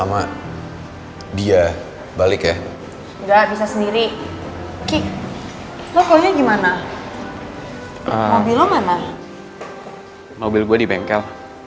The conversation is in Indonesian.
mobil gue di bengkel